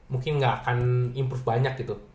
mungkin nggak akan improve banyak gitu